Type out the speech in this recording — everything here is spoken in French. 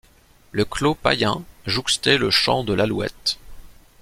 Le Clos Payen jouxtait le champ de l'Alouette.